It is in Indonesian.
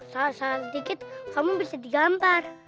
salah salah sedikit kamu bisa digantar